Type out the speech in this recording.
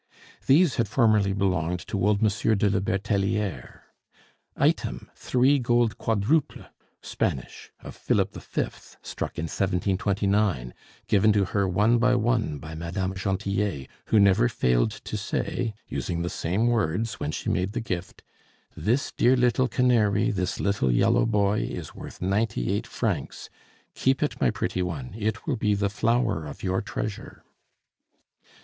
These had formerly belonged to old Monsieur de la Bertelliere. Item, three gold quadruples, Spanish, of Philip V., struck in 1729, given to her one by one by Madame Gentillet, who never failed to say, using the same words, when she made the gift, "This dear little canary, this little yellow boy, is worth ninety eight francs! Keep it, my pretty one, it will be the flower of your treasure."